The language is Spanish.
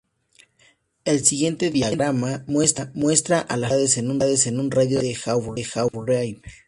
El siguiente diagrama muestra a las localidades en un radio de de Haw River.